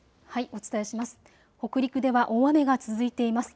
お伝えします。